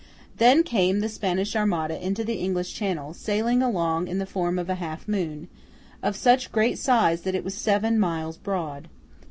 Then came the Spanish Armada into the English Channel, sailing along in the form of a half moon, of such great size that it was seven miles broad.